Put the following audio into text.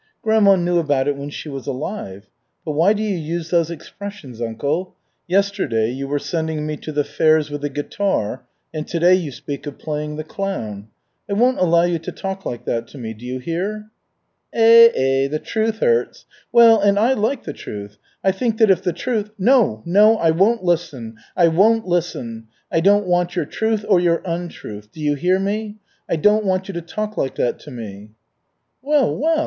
"Grandma knew about it when she was alive. But why do you use those expressions, uncle? Yesterday you were sending me to the fairs with a guitar and today you speak of playing the clown. I won't allow you to talk like that to me, you hear?" "Eh eh! The truth hurts! Well, and I like the truth. I think that if the truth " "No, no, I won't listen, I won't listen. I don't want your truth or your untruth. Do you hear me? I don't want you to talk like that to me." "Well, well!